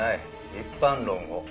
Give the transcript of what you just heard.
一般論を。